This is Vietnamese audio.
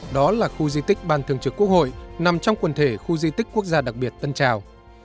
đó là khu di tích ban thường trực quốc hội nằm trong quần thể khu di tích quốc gia đặc biệt tân trào